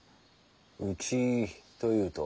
「うち」というと。